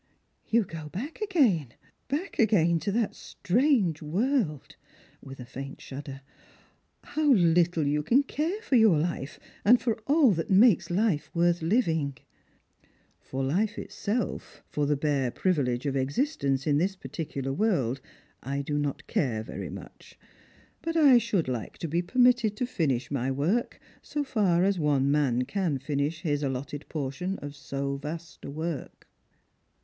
" You go back again, back again to that strange world !" with a faint shudder. " How little you can care for your hfe, and for all that makes life worth having !"" For life itself, for the bare privilege of existence in this par ticular world, I do not care very much ; but I should like to be permitted to finish my work, so far as one man can finish his allotted portion of so vast a work."